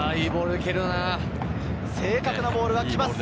正確なボールが来ます。